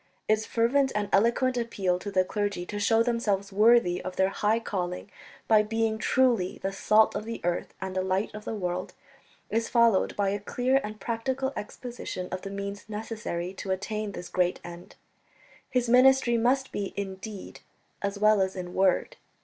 Its fervent and eloquent appeal to the clergy to show themselves worthy of their high calling, by being truly the "salt of the earth and the light of the world," is followed by a clear and practical exposition of the means necessary to attain this great end. His ministry must be in deed as well as in word.